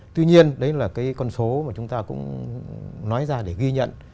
tuy nhiên đấy là cái con số mà chúng ta cũng nói ra để ghi nhận